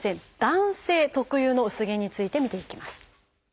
男性特有の薄毛について見ていきます。